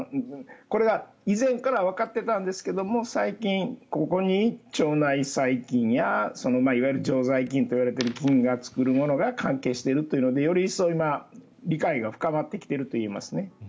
これが以前からわかっていたんですが最近、ここに腸内細菌やいわゆる常在菌といわれている菌が作るものが関係しているというのでより一層、理解が深まってきているといえますね。